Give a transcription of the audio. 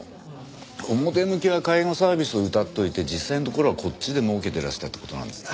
表向きは介護サービスうたっておいて実際のところはこっちで儲けてらしたって事なんですね。